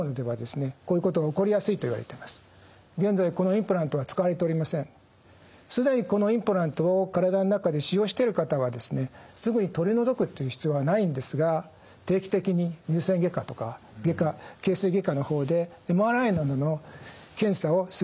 インプラントの既にこのインプラントを体の中で使用してる方はですねすぐに取り除くっていう必要はないんですが定期的に乳腺外科とか外科形成外科の方でＭＲＩなどの検査をする必要があります。